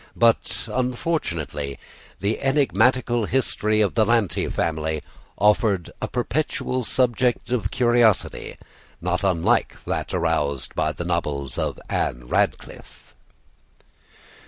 But, unfortunately, the enigmatical history of the Lanty family offered a perpetual subject of curiosity, not unlike that aroused by the novels of Anne Radcliffe.